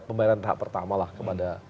pembayaran tahap pertama lah kepada